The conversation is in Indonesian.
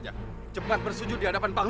sungguh rusak ini ini semau sekali barang